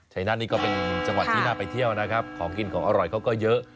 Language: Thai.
นั่นนี่ก็เป็นจังหวัดที่น่าไปเที่ยวนะครับของกินของอร่อยเขาก็เยอะ